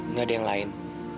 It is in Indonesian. nggak ada yang lain